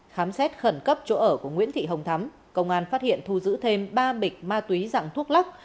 khám xét khẩn cấp chỗ ở của nguyễn thị hồng thắm công an phát hiện thu giữ thêm ba bịch ma túy dạng thuốc lắc